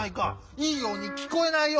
いいようにきこえないよ！